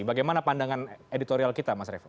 bagaimana pandangan editorial kita mas revo